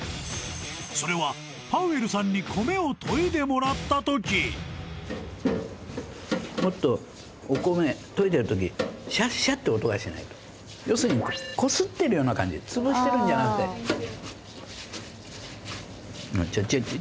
それはパウエルさんに米をといでもらった時もっとお米といでる時要するにこすってるような感じつぶしてるんじゃなくてちょちょちょ